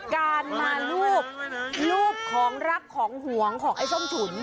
การมารูปรูปของรักของหวงของไอ้ส้มฉุน